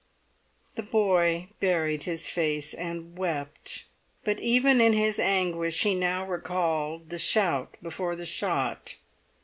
The boy buried his face and wept; but even in his anguish he now recalled the shout before the shot.